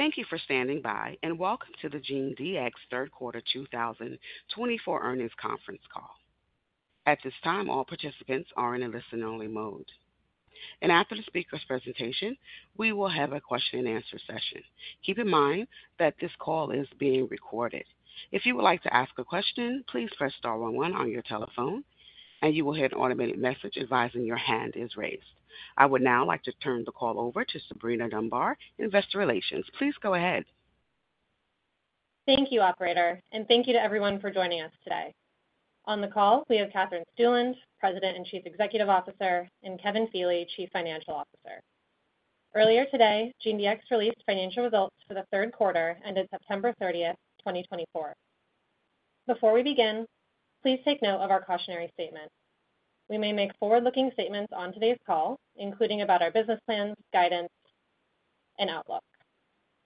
Thank you for standing by and welcome to the GeneDx third quarter 2024 earnings conference call. At this time, all participants are in a listen-only mode, and after the speaker's presentation, we will have a question-and-answer session. Keep in mind that this call is being recorded. If you would like to ask a question, please press star one one on your telephone, and you will hear an automated message advising your hand is raised. I would now like to turn the call over to Sabrina Dunbar, Investor Relations. Please go ahead. Thank you, Operator, and thank you to everyone for joining us today. On the call, we have Katherine Stueland, President and Chief Executive Officer, and Kevin Feeley, Chief Financial Officer. Earlier today, GeneDx released financial results for the third quarter ended September 30th, 2024. Before we begin, please take note of our cautionary statement. We may make forward-looking statements on today's call, including about our business plans, guidance, and outlook.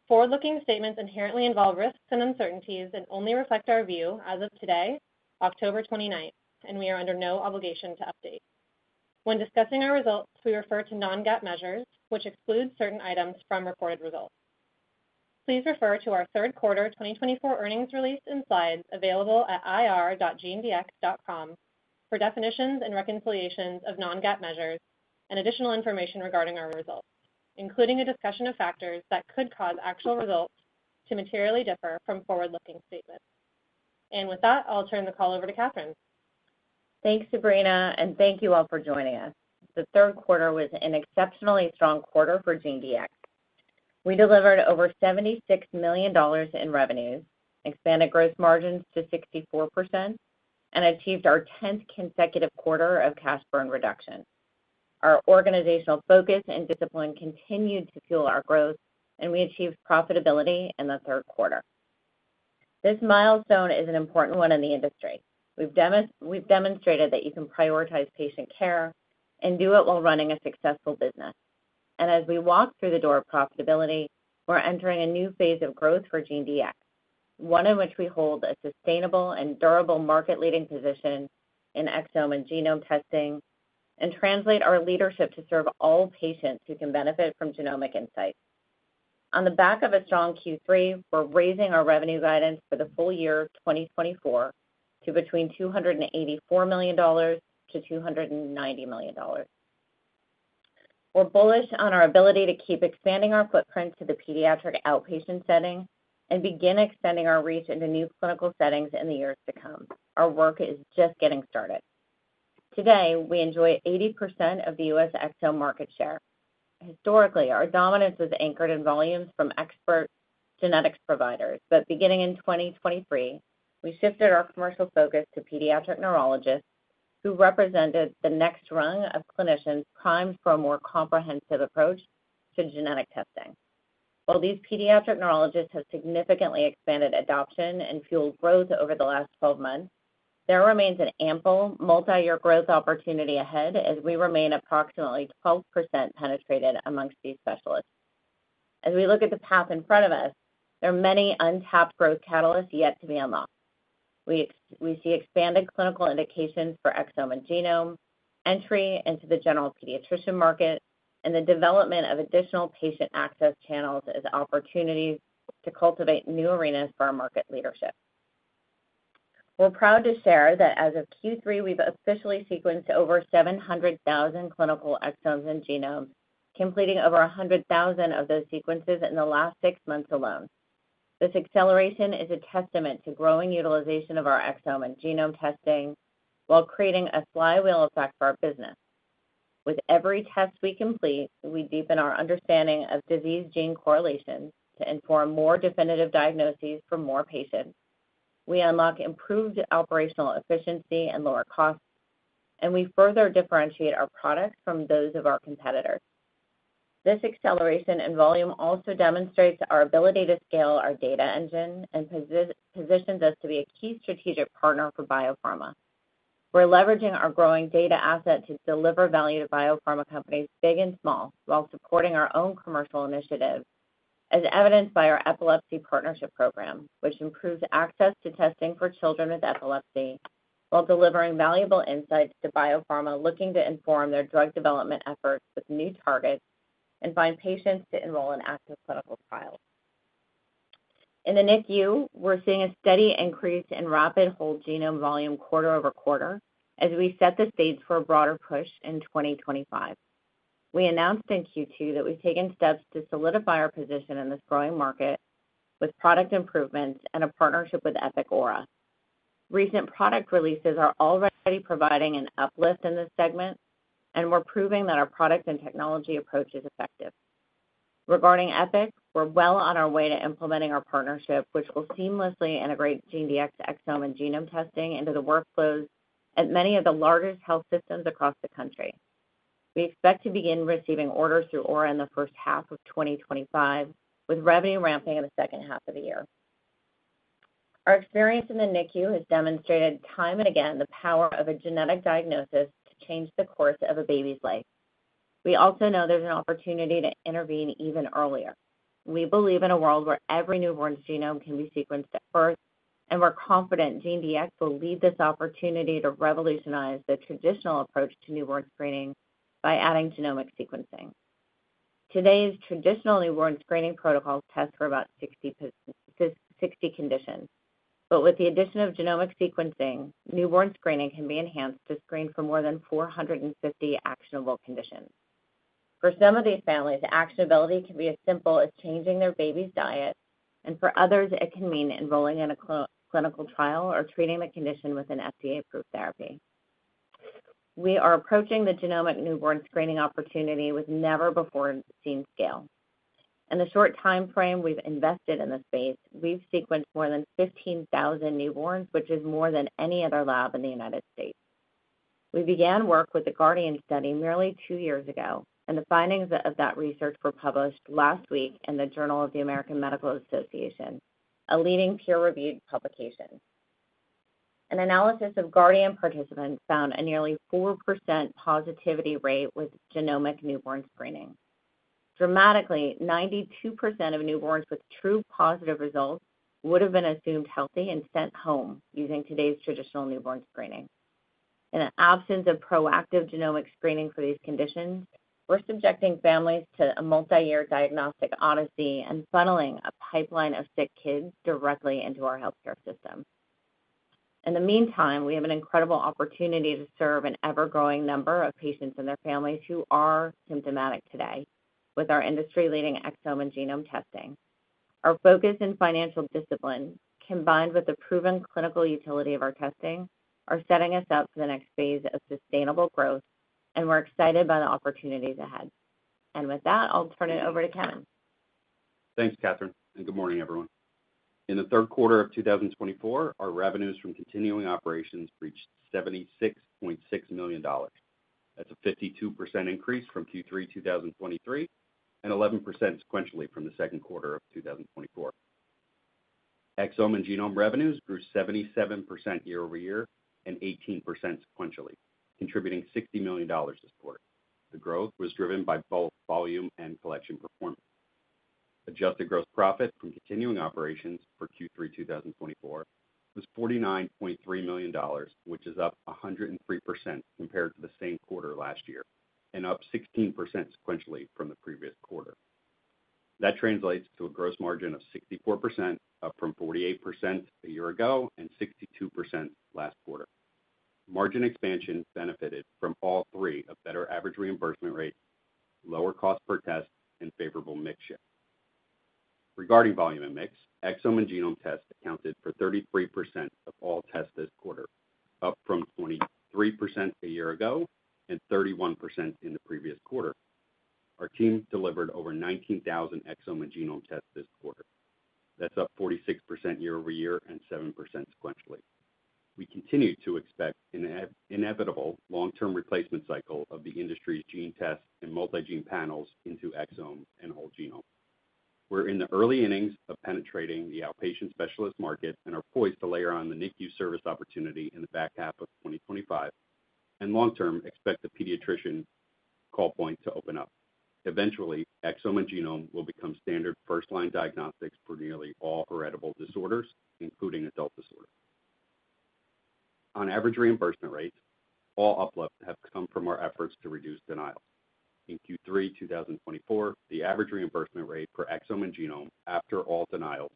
Forward-looking statements inherently involve risks and uncertainties and only reflect our view as of today, October 29th, and we are under no obligation to update. When discussing our results, we refer to non-GAAP measures, which exclude certain items from reported results. Please refer to our third quarter 2024 earnings release and slides available at ir.gendx.com for definitions and reconciliations of Non-GAAP measures and additional information regarding our results, including a discussion of factors that could cause actual results to materially differ from forward-looking statements. And with that, I'll turn the call over to Katherine. Thanks, Sabrina, and thank you all for joining us. The third quarter was an exceptionally strong quarter for GeneDx. We delivered over $76 million in revenues, expanded gross margins to 64%, and achieved our 10th consecutive quarter of cash burn reduction. Our organizational focus and discipline continued to fuel our growth, and we achieved profitability in the third quarter. This milestone is an important one in the industry. We've demonstrated that you can prioritize patient care and do it while running a successful business. And as we walk through the door of profitability, we're entering a new phase of growth for GeneDx, one in which we hold a sustainable and durable market-leading position in exome and genome testing and translate our leadership to serve all patients who can benefit from genomic insight. On the back of a strong Q3, we're raising our revenue guidance for the full year 2024 to between $284 million to $290 million. We're bullish on our ability to keep expanding our footprint to the pediatric outpatient setting and begin expanding our reach into new clinical settings in the years to come. Our work is just getting started. Today, we enjoy 80% of the U.S. exome market share. Historically, our dominance was anchored in volumes from expert genetics providers, but beginning in 2023, we shifted our commercial focus to pediatric neurologists who represented the next rung of clinicians primed for a more comprehensive approach to genetic testing. While these pediatric neurologists have significantly expanded adoption and fueled growth over the last 12 months, there remains an ample multi-year growth opportunity ahead as we remain approximately 12% penetrated amongst these specialists. As we look at the path in front of us, there are many untapped growth catalysts yet to be unlocked. We see expanded clinical indications for exome and genome, entry into the general pediatrician market, and the development of additional patient access channels as opportunities to cultivate new arenas for our market leadership. We're proud to share that as of Q3, we've officially sequenced over 700,000 clinical exomes and genomes, completing over 100,000 of those sequences in the last six months alone. This acceleration is a testament to growing utilization of our exome and genome testing while creating a flywheel effect for our business. With every test we complete, we deepen our understanding of disease-gene correlation to inform more definitive diagnoses for more patients. We unlock improved operational efficiency and lower costs, and we further differentiate our products from those of our competitors. This acceleration in volume also demonstrates our ability to scale our data engine and positions us to be a key strategic partner for biopharma. We're leveraging our growing data asset to deliver value to biopharma companies big and small while supporting our own commercial initiatives, as evidenced by our Epilepsy Partnership Program, which improves access to testing for children with epilepsy while delivering valuable insights to biopharma looking to inform their drug development efforts with new targets and find patients to enroll in active clinical trials. In the NICU, we're seeing a steady increase in rapid whole genome volume quarter over quarter as we set the stage for a broader push in 2025. We announced in Q2 that we've taken steps to solidify our position in this growing market with product improvements and a partnership with Epic Aura. Recent product releases are already providing an uplift in this segment, and we're proving that our product and technology approach is effective. Regarding Epic, we're well on our way to implementing our partnership, which will seamlessly integrate GeneDx exome and genome testing into the workflows at many of the largest health systems across the country. We expect to begin receiving orders through Aura in the first half of 2025, with revenue ramping in the second half of the year. Our experience in the NICU has demonstrated time and again the power of a genetic diagnosis to change the course of a baby's life. We also know there's an opportunity to intervene even earlier. We believe in a world where every newborn's genome can be sequenced at birth, and we're confident GeneDx will lead this opportunity to revolutionize the traditional approach to newborn screening by adding genomic sequencing. Today's traditional newborn screening protocols test for about 60 conditions, but with the addition of genomic sequencing, newborn screening can be enhanced to screen for more than 450 actionable conditions. For some of these families, actionability can be as simple as changing their baby's diet, and for others, it can mean enrolling in a clinical trial or treating the condition with an FDA-approved therapy. We are approaching the genomic newborn screening opportunity with never-before-seen scale. In the short time frame we've invested in this space, we've sequenced more than 15,000 newborns, which is more than any other lab in the United States. We began work with the Guardian study merely two years ago, and the findings of that research were published last week in the Journal of the American Medical Association, a leading peer-reviewed publication. An analysis of Guardian participants found a nearly 4% positivity rate with genomic newborn screening. Dramatically, 92% of newborns with true positive results would have been assumed healthy and sent home using today's traditional newborn screening. In the absence of proactive genomic screening for these conditions, we're subjecting families to a multi-year diagnostic odyssey and funneling a pipeline of sick kids directly into our healthcare system. In the meantime, we have an incredible opportunity to serve an ever-growing number of patients and their families who are symptomatic today with our industry-leading exome and genome testing. Our focus in financial discipline, combined with the proven clinical utility of our testing, are setting us up for the next phase of sustainable growth, and we're excited by the opportunities ahead, and with that, I'll turn it over to Kevin. Thanks, Katherine, and good morning, everyone. In the third quarter of 2024, our revenues from continuing operations reached $76.6 million. That's a 52% increase from Q3 2023 and 11% sequentially from the second quarter of 2024. Exome and genome revenues grew 77% year over year and 18% sequentially, contributing $60 million this quarter. The growth was driven by both volume and collection performance. Adjusted gross profit from continuing operations for Q3 2024 was $49.3 million, which is up 103% compared to the same quarter last year and up 16% sequentially from the previous quarter. That translates to a gross margin of 64%, up from 48% a year ago and 62% last quarter. Margin expansion benefited from all three of better average reimbursement rates, lower cost per test, and favorable mix shift. Regarding volume and mix, exome and genome test accounted for 33% of all tests this quarter, up from 23% a year ago and 31% in the previous quarter. Our team delivered over 19,000 exome and genome tests this quarter. That's up 46% year over year and 7% sequentially. We continue to expect an inevitable long-term replacement cycle of the industry's gene tests and multi-gene panels into exome and whole genome. We're in the early innings of penetrating the outpatient specialist market and are poised to layer on the NICU service opportunity in the back half of 2025 and long-term expect the pediatrician call point to open up. Eventually, exome and genome will become standard first-line diagnostics for nearly all heritable disorders, including adult disorders. On average reimbursement rates, all uplift have come from our efforts to reduce denials. In Q3 2024, the average reimbursement rate for exome and genome after all denials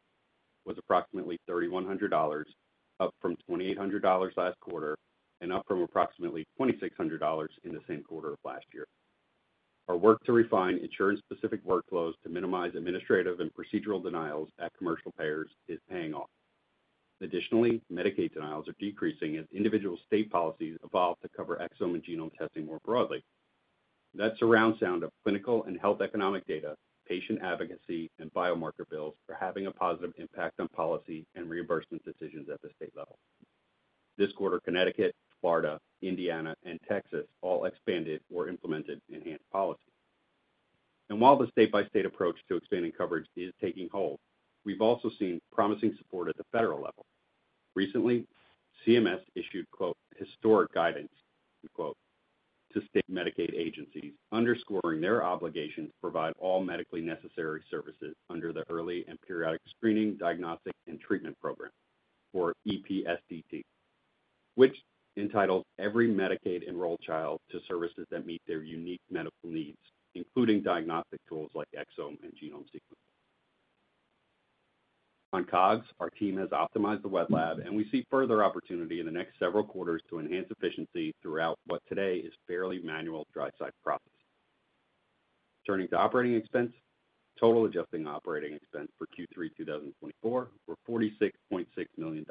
was approximately $3,100, up from $2,800 last quarter and up from approximately $2,600 in the same quarter of last year. Our work to refine insurance-specific workflows to minimize administrative and procedural denials at commercial payers is paying off. Additionally, Medicaid denials are decreasing as individual state policies evolve to cover exome and genome testing more broadly. That surround sound of clinical and health economic data, patient advocacy, and biomarker bills are having a positive impact on policy and reimbursement decisions at the state level. This quarter, Connecticut, Florida, Indiana, and Texas all expanded or implemented enhanced policy, and while the state-by-state approach to expanding coverage is taking hold, we've also seen promising support at the federal level. Recently, CMS issued "historic guidance" to state Medicaid agencies, underscoring their obligation to provide all medically necessary services under the Early and Periodic Screening, Diagnostic, and Treatment Program, or EPSDT, which entitles every Medicaid-enrolled child to services that meet their unique medical needs, including diagnostic tools like exome and genome sequencing. On COGS, our team has optimized the wet lab, and we see further opportunity in the next several quarters to enhance efficiency throughout what today is fairly manual dry-side processing. Turning to operating expense, total adjusted operating expense for Q3 2024 were $46.6 million.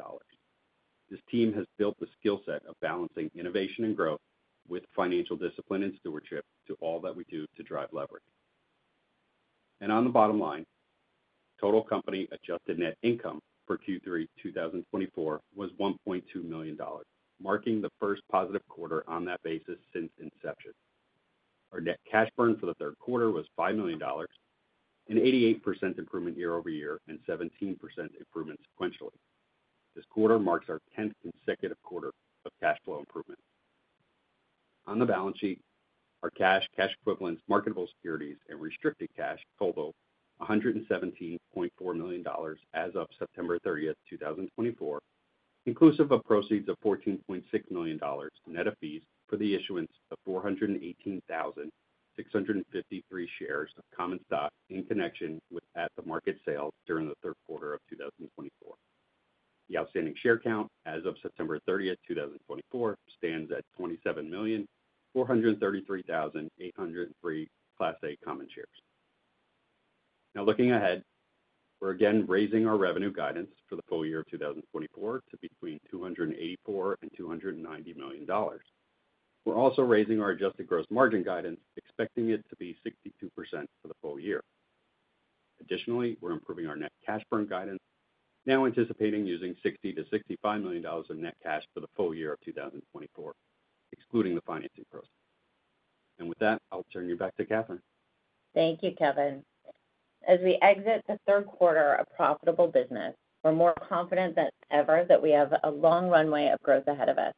This team has built the skill set of balancing innovation and growth with financial discipline and stewardship to all that we do to drive leverage. And on the bottom line, total company adjusted net income for Q3 2024 was $1.2 million, marking the first positive quarter on that basis since inception. Our net cash burn for the third quarter was $5 million, an 88% improvement year over year and 17% improvement sequentially. This quarter marks our 10th consecutive quarter of cash flow improvement. On the balance sheet, our cash, cash equivalents, marketable securities, and restricted cash total $117.4 million as of September 30, 2024, inclusive of proceeds of $14.6 million net of fees for the issuance of 418,653 shares of common stock in connection with at-the-market sales during the third quarter of 2024. The outstanding share count as of September 30, 2024, stands at 27,433,803 Class A common shares. Now, looking ahead, we're again raising our revenue guidance for the full year of 2024 to between $284 and $290 million. We're also raising our adjusted gross margin guidance, expecting it to be 62% for the full year. Additionally, we're improving our net cash burn guidance, now anticipating using $60-$65 million of net cash for the full year of 2024, excluding the financing process. And with that, I'll turn you back to Katherine. Thank you, Kevin. As we exit the third quarter of profitable business, we're more confident than ever that we have a long runway of growth ahead of us.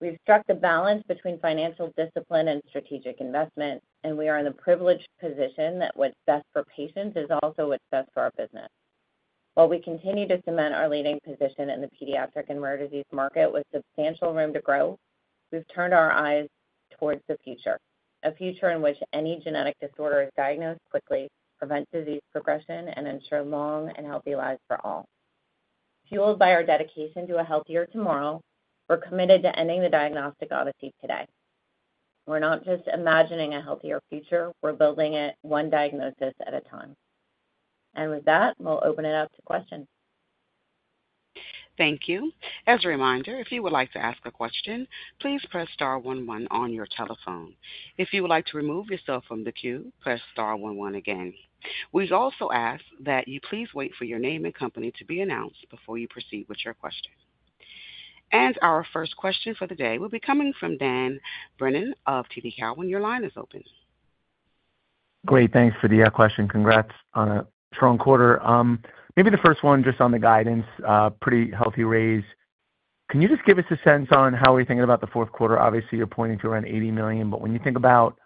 We've struck the balance between financial discipline and strategic investment, and we are in the privileged position that what's best for patients is also what's best for our business. While we continue to cement our leading position in the pediatric and rare disease market with substantial room to grow, we've turned our eyes towards the future, a future in which any genetic disorder is diagnosed quickly, prevents disease progression, and ensures long and healthy lives for all. Fueled by our dedication to a healthier tomorrow, we're committed to ending the diagnostic odyssey today. We're not just imagining a healthier future. We're building it one diagnosis at a time. And with that, we'll open it up to questions. Thank you. As a reminder, if you would like to ask a question, please press star one one on your telephone. If you would like to remove yourself from the queue, press star one one again. We also ask that you please wait for your name and company to be announced before you proceed with your question, and our first question for the day will be coming from Dan Brennan of TD Cowen. Your line is open. Great. Thanks, Fadia. Congrats on a strong quarter. Maybe the first one just on the guidance, pretty healthy raise. Can you just give us a sense on how we're thinking about the fourth quarter? Obviously, you're pointing to around $80 million, but when you think about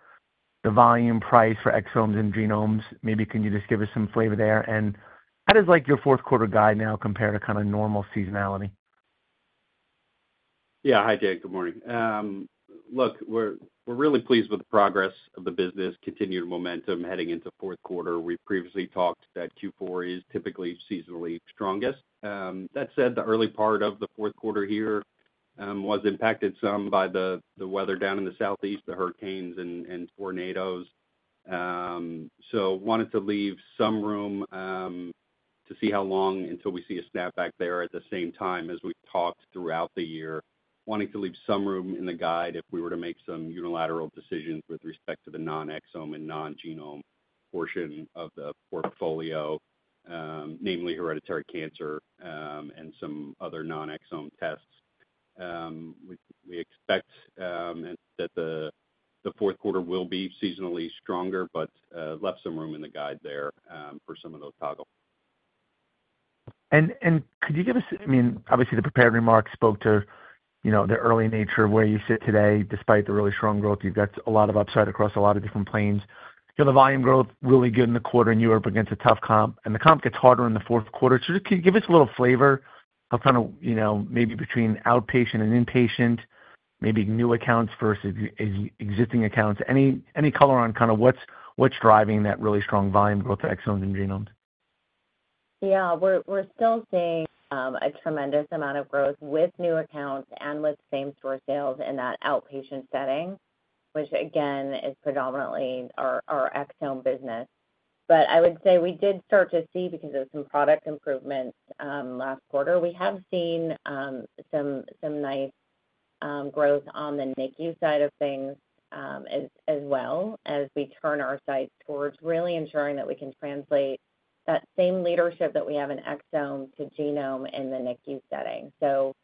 the volume price for exomes and genomes, maybe can you just give us some flavor there? And how does your fourth quarter guide now compare to kind of normal seasonality? Yeah. Hi, Dan. Good morning. Look, we're really pleased with the progress of the business, continued momentum heading into fourth quarter. We previously talked that Q4 is typically seasonally strongest. That said, the early part of the fourth quarter here was impacted some by the weather down in the southeast, the hurricanes and tornadoes. So wanted to leave some room to see how long until we see a snapback there at the same time as we've talked throughout the year. Wanting to leave some room in the guide if we were to make some unilateral decisions with respect to the non-exome and non-genome portion of the portfolio, namely hereditary cancer and some other non-exome tests. We expect that the fourth quarter will be seasonally stronger, but left some room in the guide there for some of those toggles. Could you give us, I mean, obviously the prepared remarks spoke to the early nature of where you sit today. Despite the really strong growth, you've got a lot of upside across a lot of different planes. You know, the volume growth really good in the quarter, and you were up against a tough comp, and the comp gets harder in the fourth quarter. Just can you give us a little flavor of kind of maybe between outpatient and inpatient, maybe new accounts versus existing accounts? Any color on kind of what's driving that really strong volume growth of exomes and genomes? Yeah. We're still seeing a tremendous amount of growth with new accounts and with same-store sales in that outpatient setting, which again is predominantly our exome business. But I would say we did start to see, because of some product improvements last quarter, we have seen some nice growth on the NICU side of things as well as we turn our sights towards really ensuring that we can translate that same leadership that we have in exome to genome in the NICU setting. So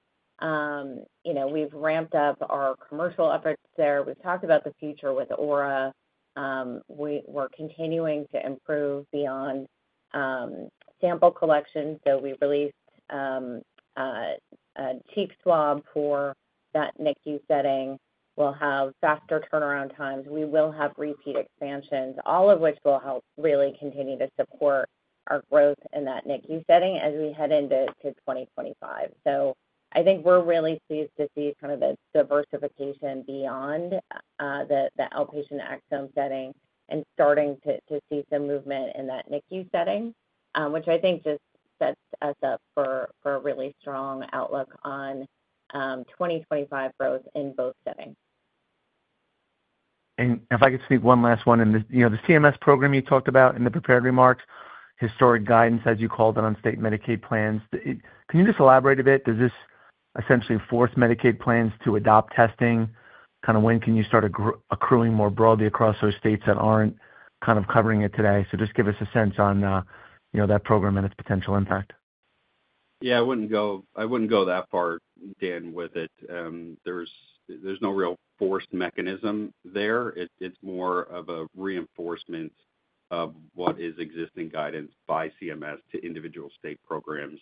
we've ramped up our commercial efforts there. We've talked about the future with Aura. We're continuing to improve beyond sample collection. So we released a cheek swab for that NICU setting. We'll have faster turnaround times. We will have reimbursement expansions, all of which will help really continue to support our growth in that NICU setting as we head into 2025. So I think we're really pleased to see kind of the diversification beyond the outpatient exome setting and starting to see some movement in that NICU setting, which I think just sets us up for a really strong outlook on 2025 growth in both settings. And if I could sneak one last one in, the CMS program you talked about in the prepared remarks, historic guidance, as you called it, on state Medicaid plans. Can you just elaborate a bit? Does this essentially force Medicaid plans to adopt testing? Kind of when can you start accruing more broadly across those states that aren't kind of covering it today? So just give us a sense on that program and its potential impact. Yeah. I wouldn't go that far, Dan, with it. There's no real enforced mechanism there. It's more of a reinforcement of what is existing guidance by CMS to individual state programs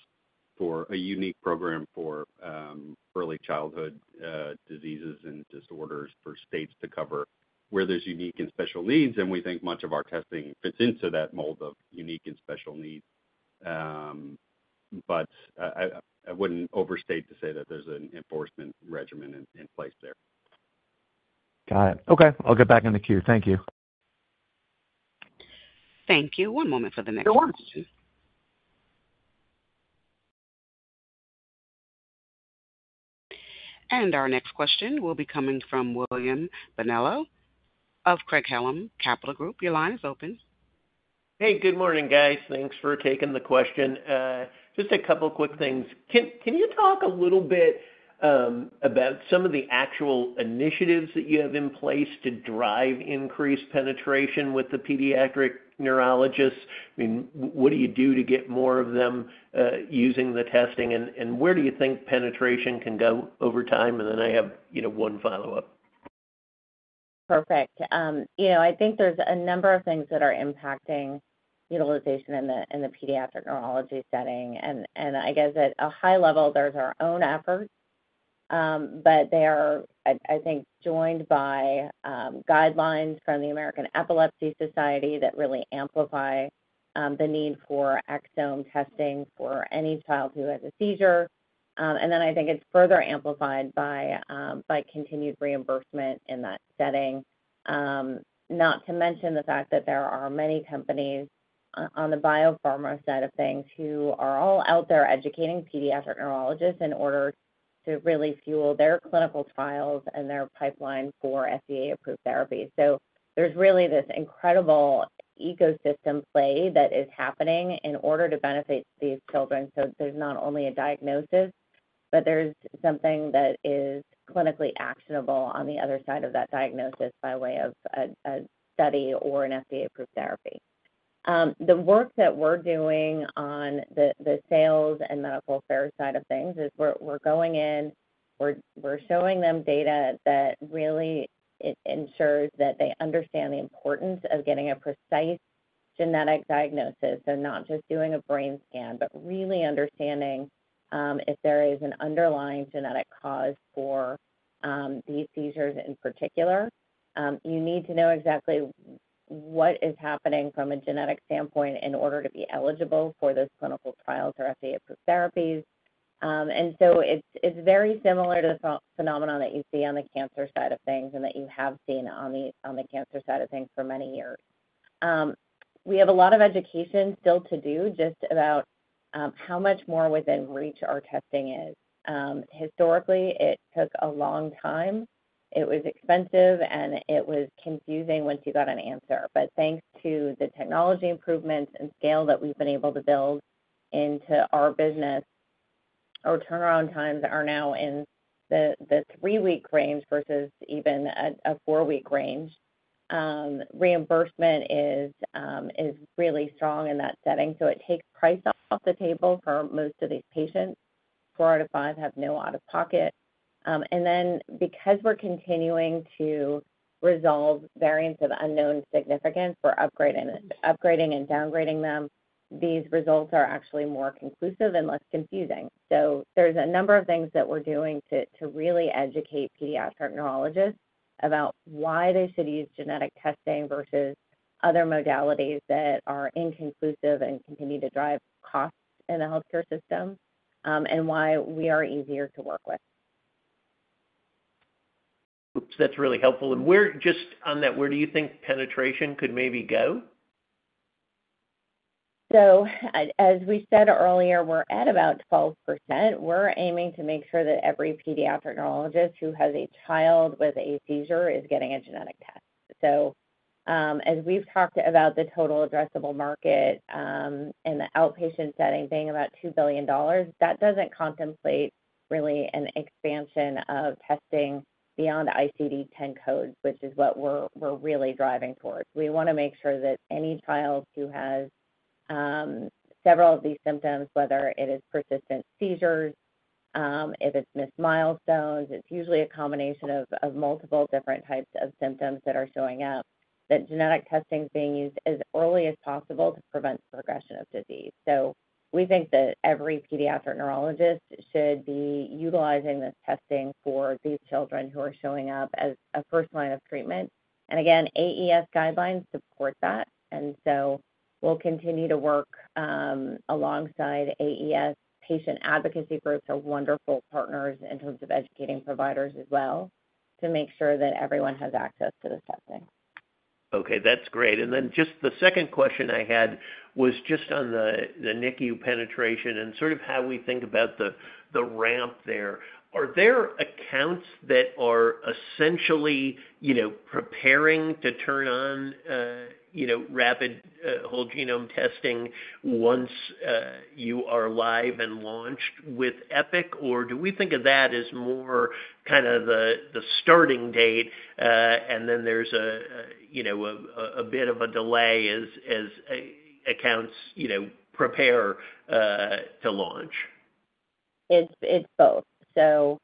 for a unique program for early childhood diseases and disorders for states to cover where there's unique and special needs. And we think much of our testing fits into that mold of unique and special needs. But I wouldn't overstate to say that there's an enforcement regime in place there. Got it. Okay. I'll get back in the queue. Thank you. Thank you. One moment for the next question. No worries. Our next question will be coming from Bill Bonello of Craig-Hallum Capital Group. Your line is open. Hey, good morning, guys. Thanks for taking the question. Just a couple of quick things. Can you talk a little bit about some of the actual initiatives that you have in place to drive increased penetration with the pediatric neurologists? I mean, what do you do to get more of them using the testing, and where do you think penetration can go over time? And then I have one follow-up. Perfect. I think there's a number of things that are impacting utilization in the pediatric neurology setting, and I guess at a high level, there's our own efforts, but they are, I think, joined by guidelines from the American Epilepsy Society that really amplify the need for exome testing for any child who has a seizure, and then I think it's further amplified by continued reimbursement in that setting. Not to mention the fact that there are many companies on the biopharma side of things who are all out there educating pediatric neurologists in order to really fuel their clinical trials and their pipeline for FDA-approved therapies, so there's really this incredible ecosystem play that is happening in order to benefit these children. So there's not only a diagnosis, but there's something that is clinically actionable on the other side of that diagnosis by way of a study or an FDA-approved therapy. The work that we're doing on the sales and medical affairs side of things is we're going in, we're showing them data that really ensures that they understand the importance of getting a precise genetic diagnosis. So not just doing a brain scan, but really understanding if there is an underlying genetic cause for these seizures in particular. You need to know exactly what is happening from a genetic standpoint in order to be eligible for those clinical trials or FDA-approved therapies. And so it's very similar to the phenomenon that you see on the cancer side of things and that you have seen on the cancer side of things for many years. We have a lot of education still to do just about how much more within reach our testing is. Historically, it took a long time. It was expensive, and it was confusing once you got an answer, but thanks to the technology improvements and scale that we've been able to build into our business, our turnaround times are now in the three-week range versus even a four-week range. Reimbursement is really strong in that setting, so it takes price off the table for most of these patients. Four out of five have no out-of-pocket, and then because we're continuing to resolve variants of unknown significance, we're upgrading and downgrading them. These results are actually more conclusive and less confusing. There's a number of things that we're doing to really educate pediatric neurologists about why they should use genetic testing versus other modalities that are inconclusive and continue to drive costs in the healthcare system and why we are easier to work with. Oops. That's really helpful, and just on that, where do you think penetration could maybe go? So as we said earlier, we're at about 12%. We're aiming to make sure that every pediatric neurologist who has a child with a seizure is getting a genetic test. So as we've talked about the total addressable market in the outpatient setting being about $2 billion, that doesn't contemplate really an expansion of testing beyond ICD-10 codes, which is what we're really driving towards. We want to make sure that any child who has several of these symptoms, whether it is persistent seizures, if it's missed milestones, it's usually a combination of multiple different types of symptoms that are showing up, that genetic testing is being used as early as possible to prevent progression of disease. So we think that every pediatric neurologist should be utilizing this testing for these children who are showing up as a first line of treatment. And again, AES guidelines support that. And so we'll continue to work alongside AES. Patient advocacy groups are wonderful partners in terms of educating providers as well to make sure that everyone has access to this testing. Okay. That's great. And then just the second question I had was just on the NICU penetration and sort of how we think about the ramp there. Are there accounts that are essentially preparing to turn on rapid whole genome testing once you are live and launched with Epic? Or do we think of that as more kind of the starting date, and then there's a bit of a delay as accounts prepare to launch? It's both. So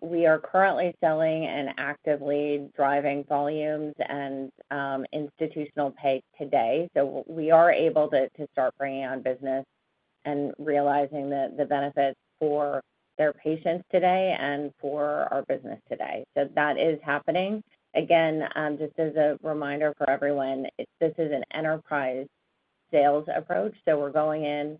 we are currently selling and actively driving volumes and institutional pay today. So we are able to start bringing on business and realizing the benefits for their patients today and for our business today. So that is happening. Again, just as a reminder for everyone, this is an enterprise sales approach. So we're going in.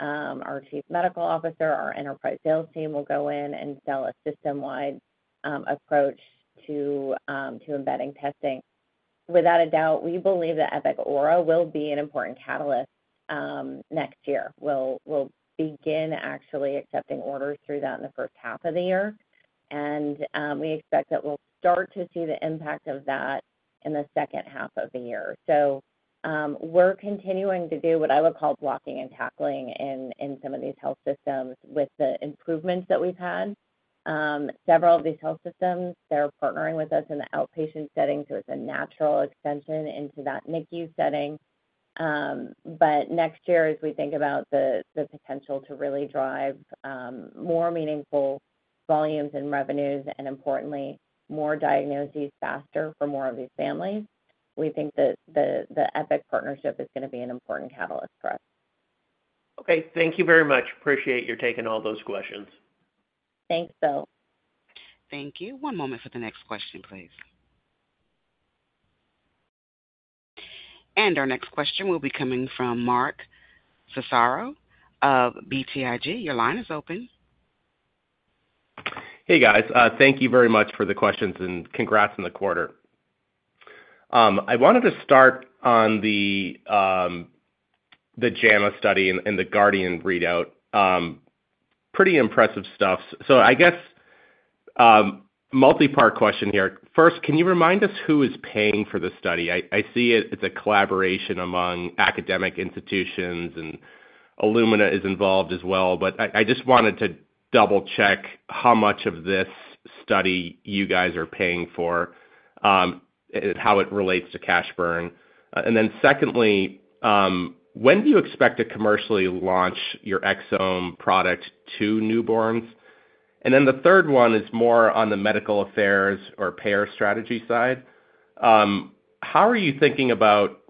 Our Chief Medical Officer, our enterprise sales team will go in and sell a system-wide approach to embedding testing. Without a doubt, we believe that Epic Aura will be an important catalyst next year. We'll begin actually accepting orders through that in the first half of the year, and we expect that we'll start to see the impact of that in the second half of the year, so we're continuing to do what I would call blocking and tackling in some of these health systems with the improvements that we've had. Several of these health systems, they're partnering with us in the outpatient setting. So it's a natural extension into that NICU setting. But next year, as we think about the potential to really drive more meaningful volumes and revenues and, importantly, more diagnoses faster for more of these families, we think that the Epic partnership is going to be an important catalyst for us. Okay. Thank you very much. Appreciate your taking all those questions. Thanks, Bill. Thank you. One moment for the next question, please, and our next question will be coming from Mark Massaro of BTIG. Your line is open. Hey, guys. Thank you very much for the questions and congrats on the quarter. I wanted to start on the JAMA study and the Guardian readout. Pretty impressive stuff. So I guess multi-part question here. First, can you remind us who is paying for the study? I see it's a collaboration among academic institutions, and Illumina is involved as well. But I just wanted to double-check how much of this study you guys are paying for and how it relates to cash burn. And then secondly, when do you expect to commercially launch your exome product to newborns? And then the third one is more on the medical affairs or payer strategy side. How are you thinking about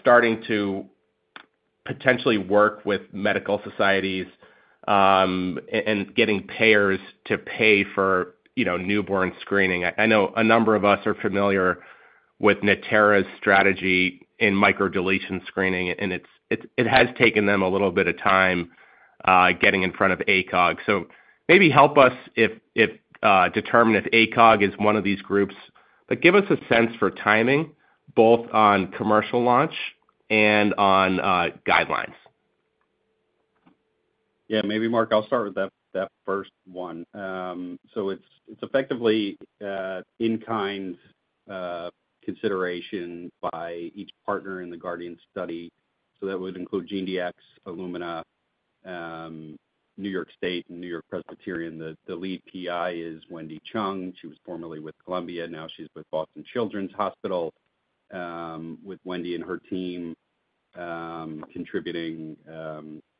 starting to potentially work with medical societies and getting payers to pay for newborn screening? I know a number of us are familiar with Natera's strategy in microdeletion screening, and it has taken them a little bit of time getting in front of ACOG. So maybe help us determine if ACOG is one of these groups. But give us a sense for timing, both on commercial launch and on guidelines. Yeah. Maybe, Mark, I'll start with that first one. So it's effectively in-kind consideration by each partner in the Guardian study. So that would include GeneDx, Illumina, New York State, and New York-Presbyterian. The lead PI is Wendy Chung. She was formerly with Columbia. Now she's with Boston Children's Hospital with Wendy and her team contributing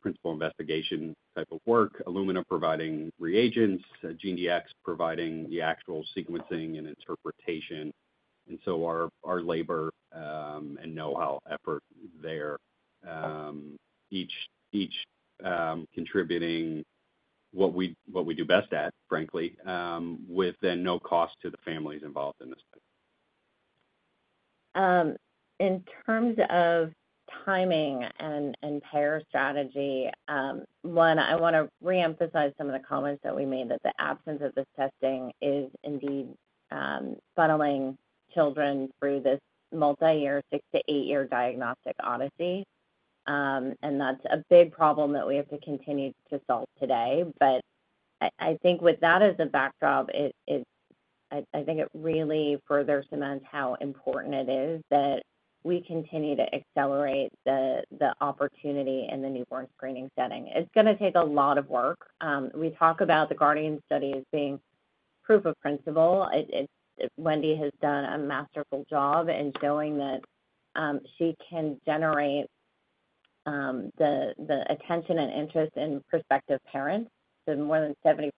principal investigation type of work. Illumina providing reagents. GeneDx providing the actual sequencing and interpretation. And so our labor and know-how effort there, each contributing what we do best at, frankly, with then no cost to the families involved in this study. In terms of timing and payer strategy, one, I want to reemphasize some of the comments that we made that the absence of this testing is indeed funneling children through this multi-year, six- to eight-year diagnostic odyssey, and that's a big problem that we have to continue to solve today, but I think with that as a backdrop, I think it really further cements how important it is that we continue to accelerate the opportunity in the newborn screening setting. It's going to take a lot of work. We talk about the Guardian study as being proof of principle. Wendy has done a masterful job in showing that she can generate the attention and interest in prospective parents, so more than 70%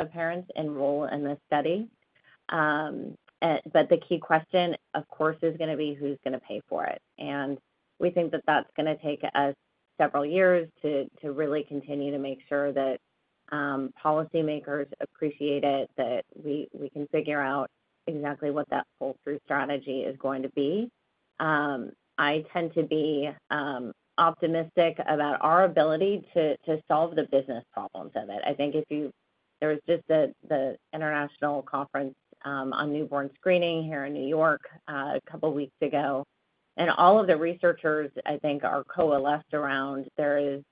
of parents enroll in this study, but the key question, of course, is going to be who's going to pay for it. And we think that that's going to take us several years to really continue to make sure that policymakers appreciate it, that we can figure out exactly what that pull-through strategy is going to be. I tend to be optimistic about our ability to solve the business problems of it. I think if you, there was just the International Conference on Newborn Screening here in New York a couple of weeks ago. And all of the researchers, I think, are coalesced around there is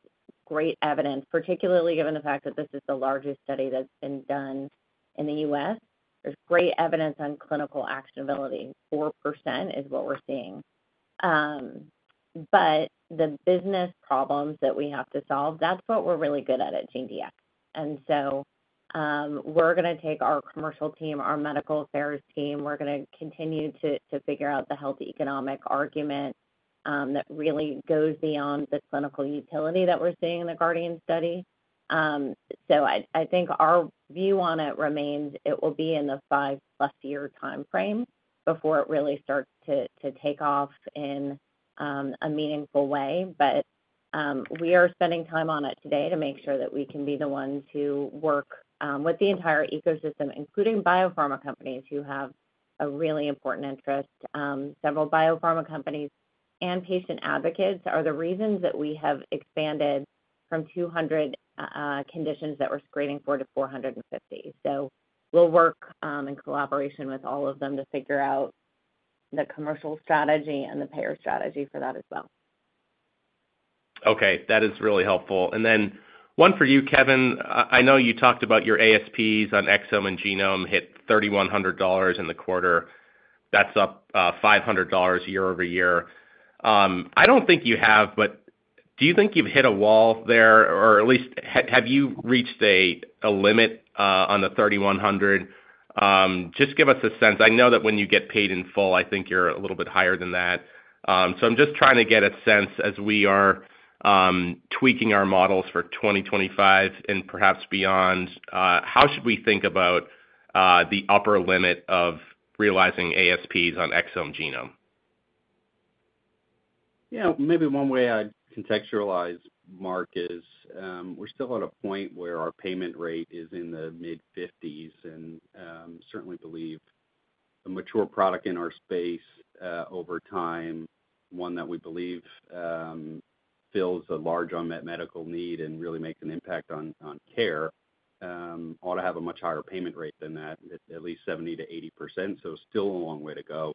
great evidence, particularly given the fact that this is the largest study that's been done in the U.S. There's great evidence on clinical actionability. 4% is what we're seeing. But the business problems that we have to solve, that's what we're really good at at GDX. And so we're going to take our commercial team, our medical affairs team. We're going to continue to figure out the health economic argument that really goes beyond the clinical utility that we're seeing in the Guardian study. So I think our view on it remains it will be in the five-plus-year timeframe before it really starts to take off in a meaningful way. But we are spending time on it today to make sure that we can be the ones who work with the entire ecosystem, including biopharma companies who have a really important interest. Several biopharma companies and patient advocates are the reasons that we have expanded from 200 conditions that we're screening for to 450. So we'll work in collaboration with all of them to figure out the commercial strategy and the payer strategy for that as well. Okay. That is really helpful. And then one for you, Kevin. I know you talked about your ASPs on exome and genome hit $3,100 in the quarter. That's up $500 year over year. I don't think you have, but do you think you've hit a wall there? Or at least, have you reached a limit on the $3,100? Just give us a sense. I know that when you get paid in full, I think you're a little bit higher than that. So I'm just trying to get a sense as we are tweaking our models for 2025 and perhaps beyond, how should we think about the upper limit of realizing ASPs on exome genome? Yeah. Maybe one way I'd contextualize, Mark, is we're still at a point where our payment rate is in the mid-50s and certainly believe a mature product in our space over time, one that we believe fills a large unmet medical need and really makes an impact on care, ought to have a much higher payment rate than that, at least 70%-80%. So still a long way to go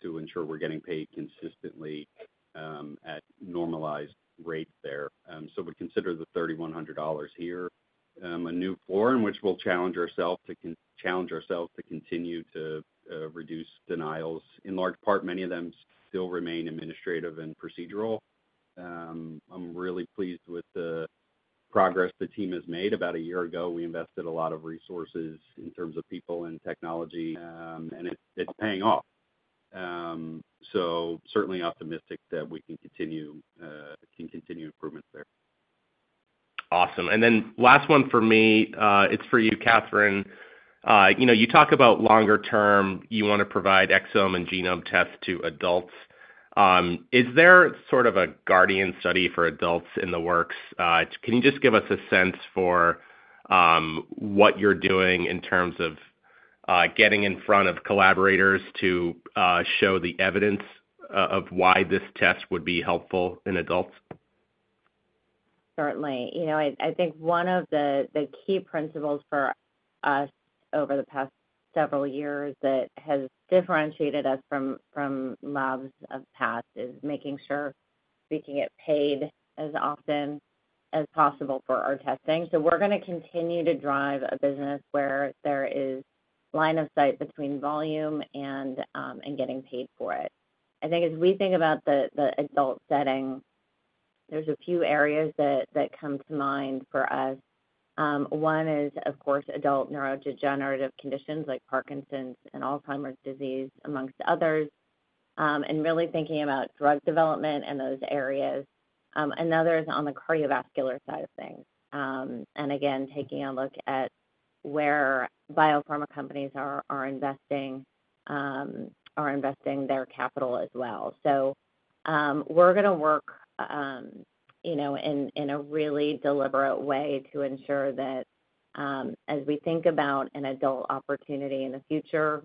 to ensure we're getting paid consistently at normalized rates there. So we'd consider the $3,100 here, a new floor in which we'll challenge ourselves to continue to reduce denials. In large part, many of them still remain administrative and procedural. I'm really pleased with the progress the team has made. About a year ago, we invested a lot of resources in terms of people and technology. And it's paying off. Certainly optimistic that we can continue improvements there. Awesome. And then last one for me, it's for you, Katherine. You talk about longer term, you want to provide exome and genome tests to adults. Is there sort of a Guardian study for adults in the works? Can you just give us a sense for what you're doing in terms of getting in front of collaborators to show the evidence of why this test would be helpful in adults? Certainly. I think one of the key principles for us over the past several years that has differentiated us from labs of the past is making sure we can get paid as often as possible for our testing. So we're going to continue to drive a business where there is line of sight between volume and getting paid for it. I think as we think about the adult setting, there's a few areas that come to mind for us. One is, of course, adult neurodegenerative conditions like Parkinson's and Alzheimer's disease amongst others, and really thinking about drug development and those areas. Another is on the cardiovascular side of things. And again, taking a look at where biopharma companies are investing their capital as well. So we're going to work in a really deliberate way to ensure that as we think about an adult opportunity in the future,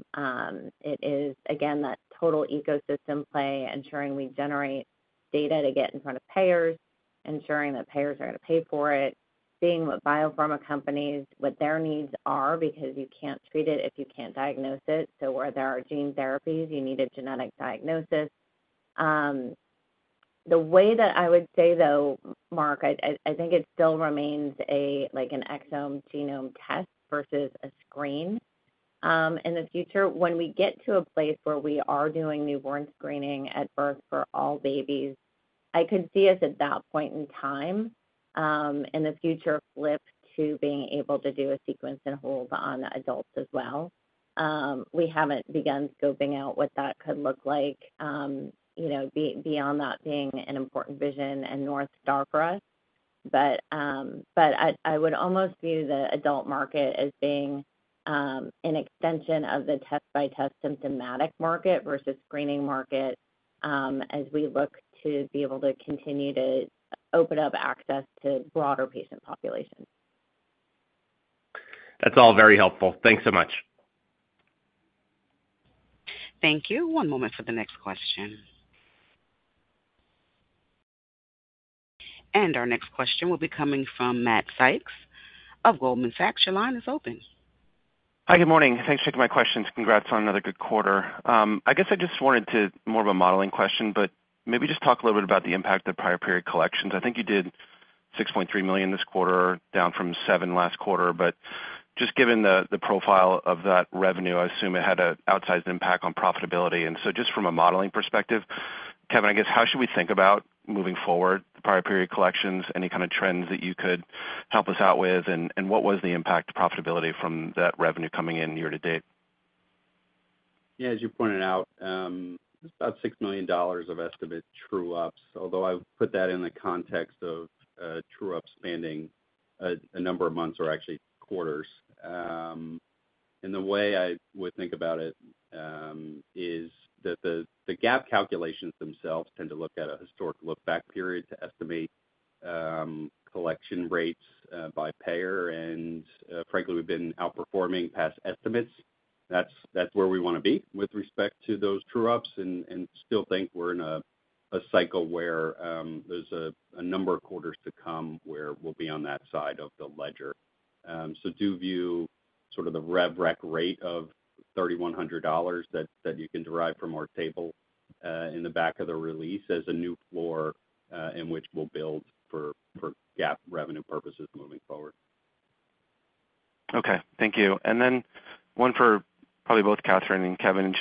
it is, again, that total ecosystem play, ensuring we generate data to get in front of payers, ensuring that payers are going to pay for it, seeing what biopharma companies, what their needs are, because you can't treat it if you can't diagnose it. So where there are gene therapies, you need a genetic diagnosis. The way that I would say, though, Mark, I think it still remains an exome genome test versus a screen in the future. When we get to a place where we are doing newborn screening at birth for all babies, I could see us at that point in time in the future flip to being able to do a sequence and hold on adults as well. We haven't begun scoping out what that could look like beyond that being an important vision and North star for us. But I would almost view the adult market as being an extension of the test-by-test symptomatic market versus screening market as we look to be able to continue to open up access to broader patient populations. That's all very helpful. Thanks so much. Thank you. One moment for the next question. And our next question will be coming from Matt Sykes of Goldman Sachs. Your line is open. Hi, good morning. Thanks for taking my questions. Congrats on another good quarter. I guess I just wanted to more of a modeling question, but maybe just talk a little bit about the impact of prior period collections. I think you did $6.3 million this quarter, down from $7 million last quarter. But just given the profile of that revenue, I assume it had an outsized impact on profitability. And so just from a modeling perspective, Kevin, I guess, how should we think about moving forward, the prior period collections, any kind of trends that you could help us out with? And what was the impact to profitability from that revenue coming in year to date? Yeah. As you pointed out, about $6 million of estimate true-ups, although I put that in the context of true-ups spanning a number of months or actually quarters. And the way I would think about it is that the GAAP calculations themselves tend to look at a historic look-back period to estimate collection rates by payer. And frankly, we've been outperforming past estimates. That's where we want to be with respect to those true-ups and still think we're in a cycle where there's a number of quarters to come where we'll be on that side of the ledger. So do view sort of the rev rec rate of $3,100 that you can derive from our table in the back of the release as a new floor in which we'll build for GAAP revenue purposes moving forward. Okay. Thank you. And then one for probably both Katherine and Kevin.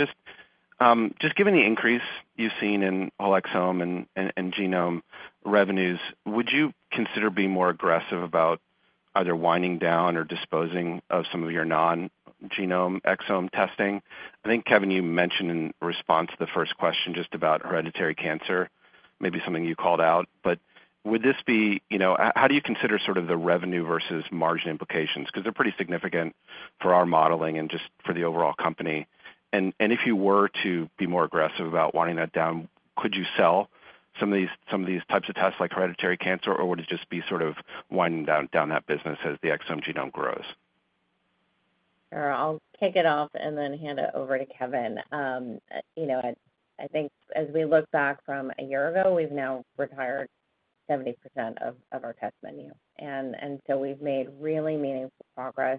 Just given the increase you've seen in whole exome and genome revenues, would you consider being more aggressive about either winding down or disposing of some of your non-genome exome testing? I think, Kevin, you mentioned in response to the first question just about hereditary cancer, maybe something you called out. But would this be how do you consider sort of the revenue versus margin implications? Because they're pretty significant for our modeling and just for the overall company. And if you were to be more aggressive about winding that down, could you sell some of these types of tests like hereditary cancer, or would it just be sort of winding down that business as the exome genome grows? Sure. I'll kick it off and then hand it over to Kevin. I think as we look back from a year ago, we've now retired 70% of our test menu. And so we've made really meaningful progress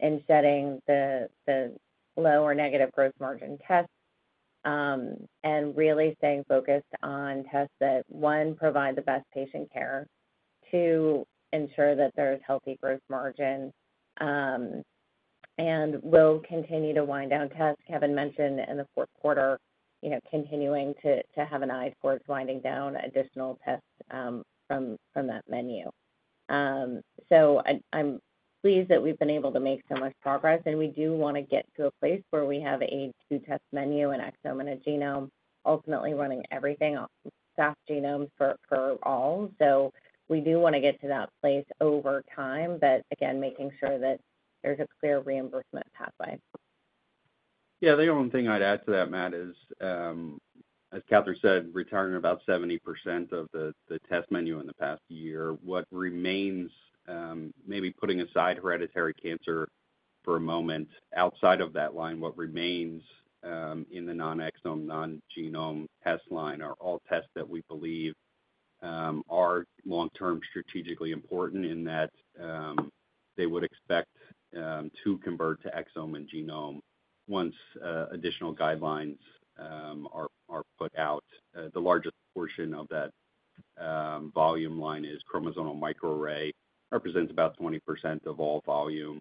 in shedding the low or negative growth margin tests and really staying focused on tests that, one, provide the best patient care to ensure that there's healthy growth margin. And we'll continue to wind down tests. Kevin mentioned in the fourth quarter, continuing to have an eye towards winding down additional tests from that menu. So I'm pleased that we've been able to make so much progress. And we do want to get to a place where we have a two-test menu and exome and a genome, ultimately running everything off whole genomes for all. So we do want to get to that place over time, but again, making sure that there's a clear reimbursement pathway. Yeah. The only thing I'd add to that, Matt, is, as Katherine said, retiring about 70% of the test menu in the past year. What remains, maybe putting aside hereditary cancer for a moment, outside of that line, what remains in the non-exome, non-genome test line are all tests that we believe are long-term strategically important in that they would expect to convert to exome and genome once additional guidelines are put out. The largest portion of that volume line is chromosomal microarray, represents about 20% of all volume.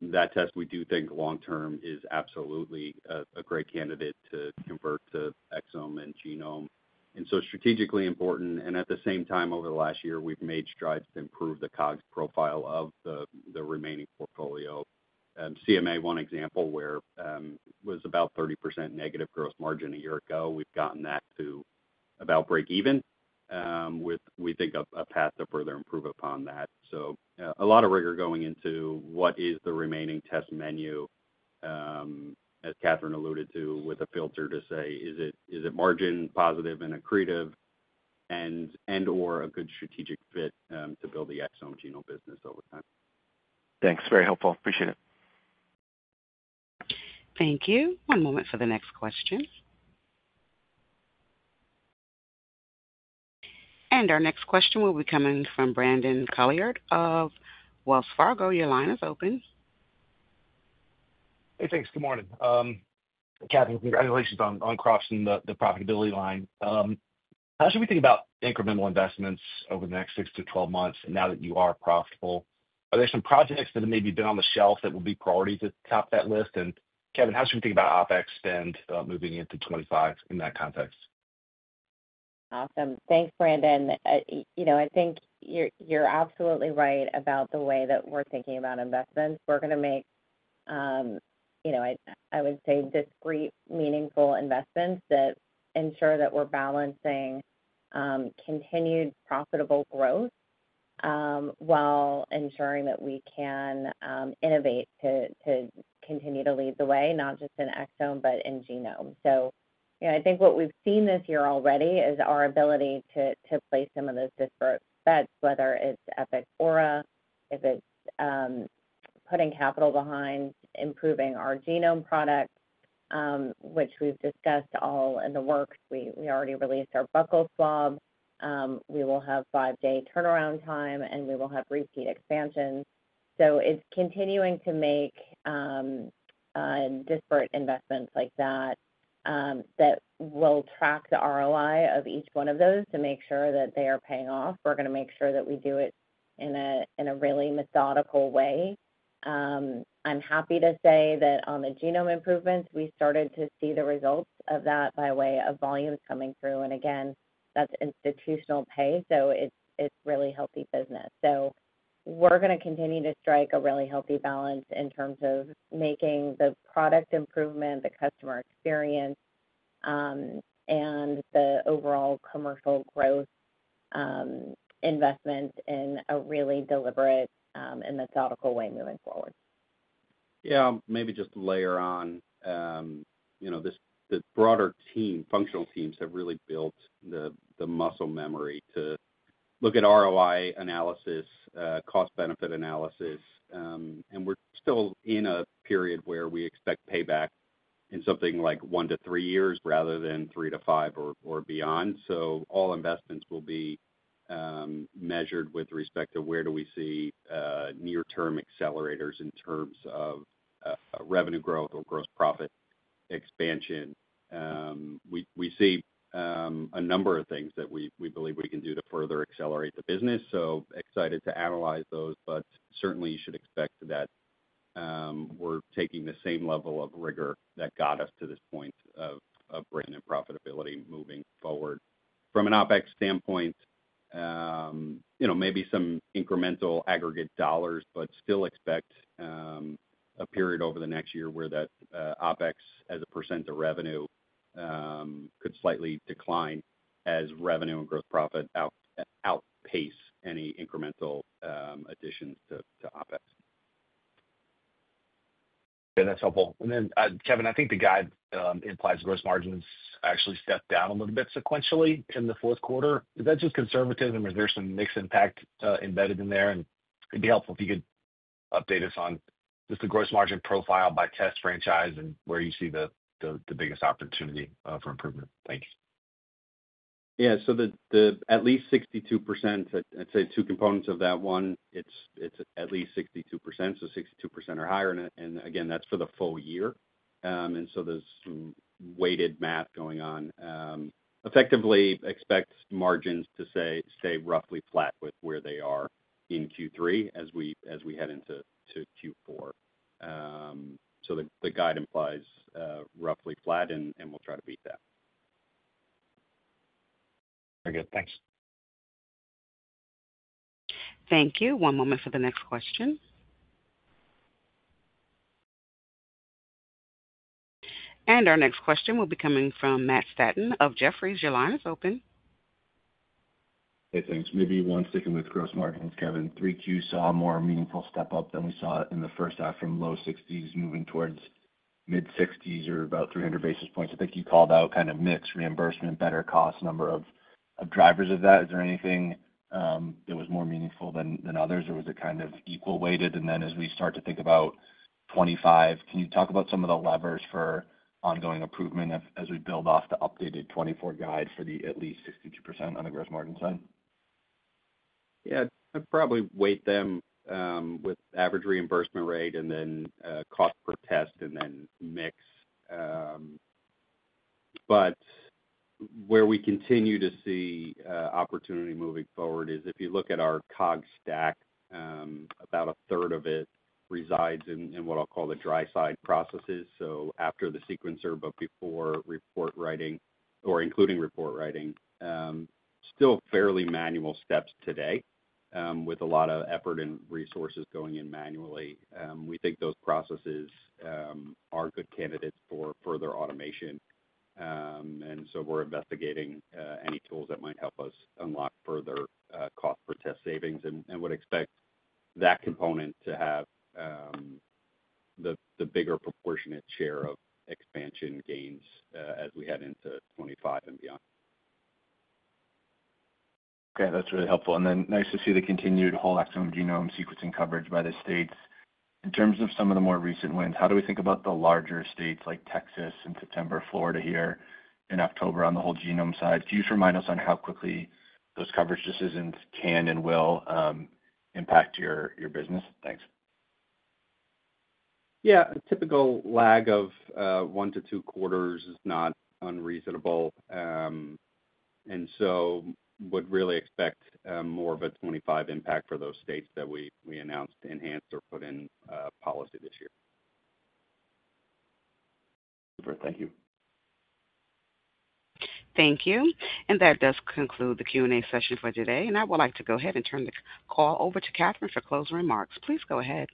That test, we do think long-term is absolutely a great candidate to convert to exome and genome. And so strategically important. And at the same time, over the last year, we've made strides to improve the COGS profile of the remaining portfolio. CMA, one example, where it was about 30% negative gross margin a year ago. We've gotten that to about break even. We think a path to further improve upon that. So a lot of rigor going into what is the remaining test menu, as Katherine alluded to, with a filter to say, is it margin positive and accretive and/or a good strategic fit to build the exome genome business over time? Thanks. Very helpful. Appreciate it. Thank you. One moment for the next question, and our next question will be coming from Brandon Couillard of Wells Fargo. Your line is open. Hey, thanks. Good morning. Kevin, congratulations on crossing the profitability line. How should we think about incremental investments over the next six to 12 months now that you are profitable? Are there some projects that have maybe been on the shelf that will be priorities at the top of that list? And Kevin, how should we think about OpEx spend moving into 2025 in that context? Awesome. Thanks, Brandon. I think you're absolutely right about the way that we're thinking about investments. We're going to make, I would say, discrete, meaningful investments that ensure that we're balancing continued profitable growth while ensuring that we can innovate to continue to lead the way, not just in exome, but in genome. So I think what we've seen this year already is our ability to play some of those disparate bets, whether it's Epic Aura, if it's putting capital behind improving our genome product, which we've discussed all in the works. We already released our buccal swab. We will have five-day turnaround time, and we will have repeat expansions. So it's continuing to make disparate investments like that that will track the ROI of each one of those to make sure that they are paying off. We're going to make sure that we do it in a really methodical way. I'm happy to say that on the genome improvements, we started to see the results of that by way of volumes coming through, and again, that's institutional pay, so it's really healthy business, so we're going to continue to strike a really healthy balance in terms of making the product improvement, the customer experience, and the overall commercial growth investments in a really deliberate and methodical way moving forward. Yeah. Maybe just to layer on, the broader team, functional teams have really built the muscle memory to look at ROI analysis, cost-benefit analysis, and we're still in a period where we expect payback in something like one to three years rather than three to five or beyond, so all investments will be measured with respect to where do we see near-term accelerators in terms of revenue growth or gross profit expansion. We see a number of things that we believe we can do to further accelerate the business, so excited to analyze those, but certainly you should expect that we're taking the same level of rigor that got us to this point of brand and profitability moving forward. From an OpEx standpoint, maybe some incremental aggregate dollars, but still expect a period over the next year where that OpEx as a % of revenue could slightly decline as revenue and gross profit outpace any incremental additions to OpEx. Yeah. That's helpful. And then, Kevin, I think the guide implies gross margins actually stepped down a little bit sequentially in the fourth quarter. Is that just conservative, and was there some mixed impact embedded in there? And it'd be helpful if you could update us on just the gross margin profile by test franchise and where you see the biggest opportunity for improvement. Thank you. Yeah. So at least 62%, I'd say two components of that. One, it's at least 62%. So 62% or higher. And again, that's for the full year. And so there's some weighted math going on. Effectively, expect margins to stay roughly flat with where they are in Q3 as we head into Q4. So the guide implies roughly flat, and we'll try to beat that. Very good. Thanks. Thank you. One moment for the next question. And our next question will be coming from Matt Steffen of Jefferies. Your line is open. Hey, thanks. Maybe one sticking with gross margins, Kevin. 3Q saw a more meaningful step up than we saw in the first half from low 60s% moving towards mid-60s% or about 300 basis points. I think you called out kind of mixed reimbursement, better cost, number of drivers of that. Is there anything that was more meaningful than others, or was it kind of equal weighted? And then as we start to think about 2025, can you talk about some of the levers for ongoing improvement as we build off the updated 2024 guide for the at least 62% on the gross margin side? Yeah. I'd probably weight them with average reimbursement rate and then cost per test and then mix. But where we continue to see opportunity moving forward is if you look at our COGS stack, about a third of it resides in what I'll call the dry side processes. So after the sequencer, but before report writing or including report writing, still fairly manual steps today with a lot of effort and resources going in manually. We think those processes are good candidates for further automation. And so we're investigating any tools that might help us unlock further cost per test savings and would expect that component to have the bigger proportionate share of expansion gains as we head into 2025 and beyond. Okay. That's really helpful. And then nice to see the continued whole exome genome sequencing coverage by the states. In terms of some of the more recent wins, how do we think about the larger states like Texas in September, Florida here in October on the whole genome side? Could you just remind us on how quickly those coverage decisions can and will impact your business? Thanks. Yeah. A typical lag of one to two quarters is not unreasonable. And so would really expect more of a 2025 impact for those states that we announced to enhance or put in policy this year. Super. Thank you. Thank you. And that does conclude the Q&A session for today. And I would like to go ahead and turn the call over to Katherine for closing remarks. Please go ahead.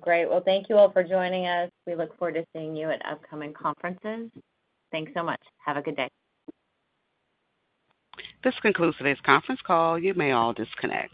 Great. Well, thank you all for joining us. We look forward to seeing you at upcoming conferences. Thanks so much. Have a good day. This concludes today's conference call. You may all disconnect.